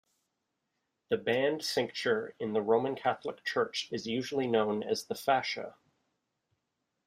The band cincture in the Roman Catholic Church is usually known as the "fascia".